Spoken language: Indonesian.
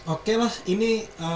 oke lah ini